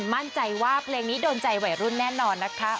มั่นใจว่าเพลงนี้โดนใจวัยรุ่นแน่นอนนะคะ